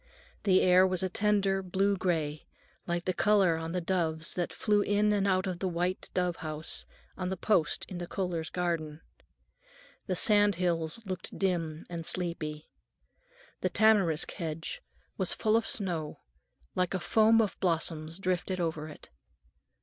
The air was a tender blue gray, like the color on the doves that flew in and out of the white dove house on the post in the Kohlers' garden. The sand hills looked dim and sleepy. The tamarisk hedge was full of snow, like a foam of blossoms drifted over it.